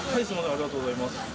ありがとうございます。